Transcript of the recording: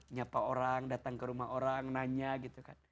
nyapa orang datang ke rumah orang nanya gitu kan